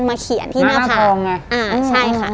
มาเขียนที่หน้าผ่า